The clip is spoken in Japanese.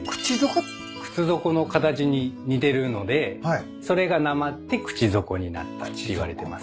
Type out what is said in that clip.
靴底の形に似てるのでそれがなまってクチゾコになったっていわれてます。